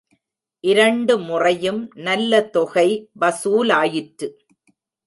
இரண்டு முறையும் நல்ல தொகை வசூலாயிற்று.